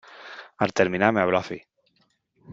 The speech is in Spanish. al terminar , me habló así :